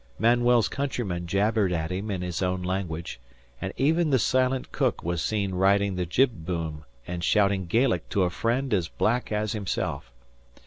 Manuel's countrymen jabbered at him in their own language; and even the silent cook was seen riding the jib boom and shouting Gaelic to a friend as black as himself.